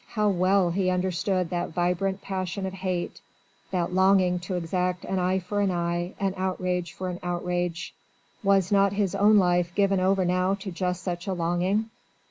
How well he understood that vibrant passion of hate, that longing to exact an eye for an eye, an outrage for an outrage! Was not his own life given over now to just such a longing?